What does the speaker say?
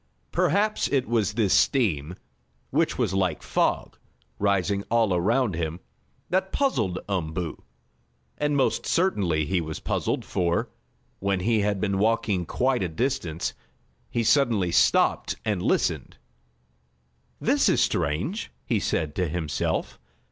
Perhaps it was this steam, which was like a fog, rising all around him, that puzzled Umboo. And most certainly he was puzzled, for, when he had been walking quite a distance, he suddenly stopped and listened. "This is strange," he said to himself.